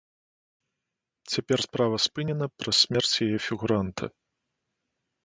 Цяпер справа спынена праз смерць яе фігуранта.